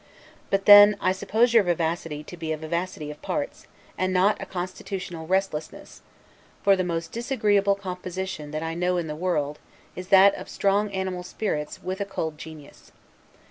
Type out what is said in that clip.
But then, I suppose your vivacity to be a vivacity of parts, and not a constitutional restlessness; for the most disagreeable composition that I know in the world, is that of strong animal spirits, with a cold genius.